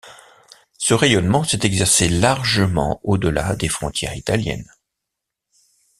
Ce rayonnement s'est exercé largement au-delà des frontières italiennes.